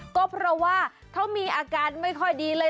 ก็เพราะว่าเขามีอาการไม่ค่อยดีเลย